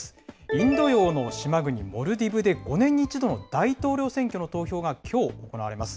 インド洋の島国、モルディブで、５年に１度の大統領選挙の投票がきょう行われます。